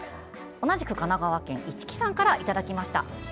同じく神奈川県市来さんからいただきました。